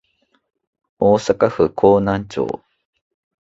大阪府河南町